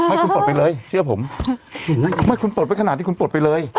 ไม่คุณปลดไปเลยเชื่อผมไม่คุณปลดไว้ขนาดที่คุณปลดไปเลย